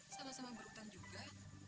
sama sama berhutan juga